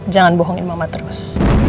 jangan bohongin mama terus